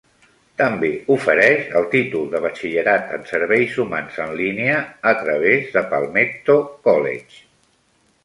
També ofereix el títol de batxillerat en serveis humans en línia, a través de Palmetto College.